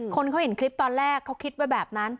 คนเขาเห็นคลิปตอนแรกเขาคิดไว้แบบนั้น